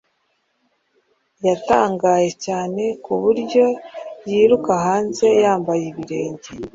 Yatangaye cyane ku buryo yiruka hanze yambaye ibirenge.